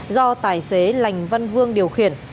do tài xế lành văn vương điều khiển